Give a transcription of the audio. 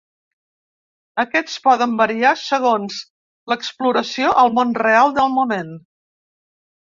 Aquests poden variar segons l'exploració al món real del moment.